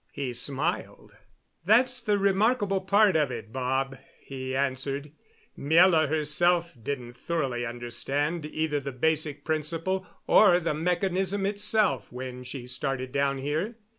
He smiled. "That's the remarkable part of it, Bob," he answered. "Miela herself didn't thoroughly understand either the basic principle or the mechanism itself when she started down here."